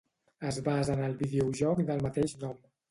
Es basa en el videojoc del mateix nom.